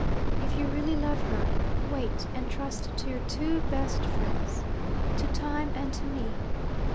If you really love her, wait; and trust to your two best friends to time and to me.